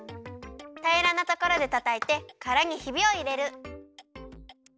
たいらなところでたたいてからにヒビをいれる。